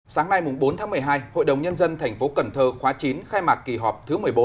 sáng nay bốn tháng một mươi hai hội đồng nhân dân tp cần thơ khóa chín khai mạc kỳ họp thứ một mươi bốn